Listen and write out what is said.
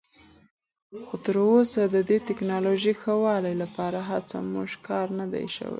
خو تراوسه د دې تکنالوژۍ ښه والي لپاره هیڅ مؤثر کار نه دی شوی.